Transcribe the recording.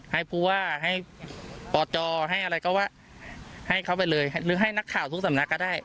ให้ผู้ว่าให้ปจให้อะไรก็ว่าให้เขาไปเลยหรือให้นักข่าวทุกสำนักก็ได้